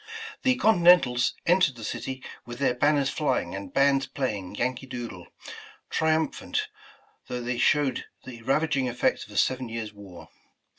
The Continentals entered the city with their banners flying, and bands playing '' Yankee Doodle, ''— triumphant, — though they showed the ravaging effects of a seven years ' war.